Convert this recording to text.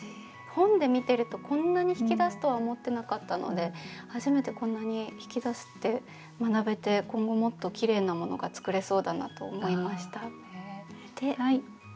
本で見てるとこんなに引き出すとは思ってなかったので初めてこんなに引き出すって学べて今後もっときれいなものが作れそうだなと思いました。